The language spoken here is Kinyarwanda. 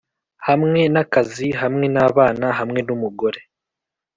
hamwe nakazi hamwe nabana hamwe numugore